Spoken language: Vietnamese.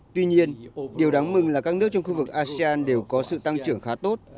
tuy nhiên điều đáng mừng là các nước trong khu vực asean đều có sự tăng trưởng khá tốt